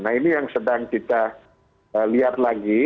nah ini yang sedang kita lihat lagi